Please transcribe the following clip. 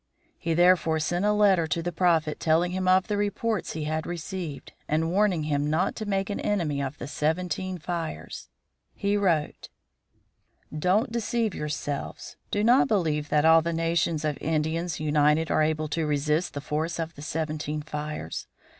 He therefore sent a letter to the Prophet telling him of the reports he had received, and warning him not to make an enemy of the Seventeen Fires. He wrote: "Don't deceive yourselves; do not believe that all the nations of Indians united are able to resist the force of the Seventeen Fires.